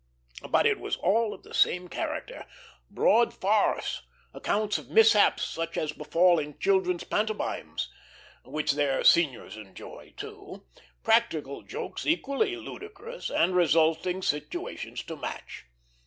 But it was all of the same character, broad farce; accounts of mishaps such as befall in children's pantomimes, which their seniors enjoy, too, practical jokes equally ludicrous, and resulting situations to match.